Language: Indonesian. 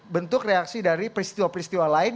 bentuk reaksi dari peristiwa peristiwa lain